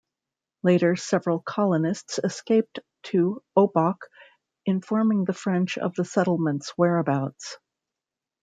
Later, several colonists escaped to Obock, informing the French of the settlement's whereabouts.